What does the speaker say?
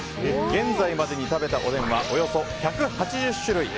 現在までに食べたおでんはおよそ１８０種類。